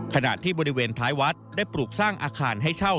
ขณะที่บริเวณท้ายวัดได้ปลูกสร้างอาคารให้เช่า